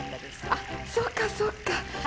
あっそうかそうか！